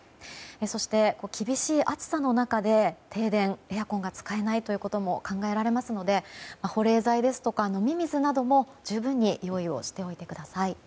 そして厳しい暑さの中で停電やエアコンが使えないということも考えられますので保冷剤ですとか飲み水なども十分に用意しておいてください。